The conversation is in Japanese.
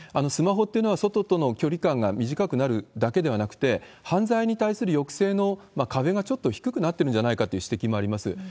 スマホっていうのは外との距離感が短くなるだけではなくて、犯罪に対する抑制の壁がちょっと低くなってるんじゃないかという指摘もあります。